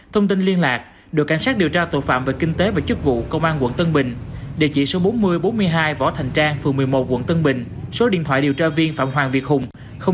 thông tin liên lạc đội cảnh sát điều tra tội phạm về kinh tế và chức vụ công an quận tân bình địa chỉ số bốn nghìn bốn mươi hai võ thành trang phường một mươi một quận tân bình số điện thoại điều tra viên phạm hoàng việt hùng chín trăm sáu mươi bốn năm trăm năm mươi bảy chín trăm tám mươi sáu